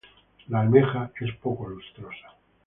La almeja es poco lustrosa.